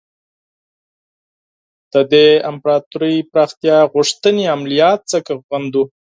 د دې امپراطوري پراختیا غوښتنې عملیات ځکه غندو.